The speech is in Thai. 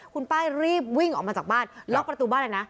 คุณป้ารีบวิ่งออกมาจากบ้านล็อกประตูบ้านเลยนะ